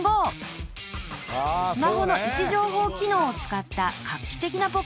［スマホの位置情報機能を使った画期的なポケモンゲーム］